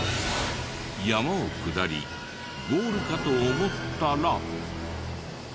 山を下りゴールかと思ったら。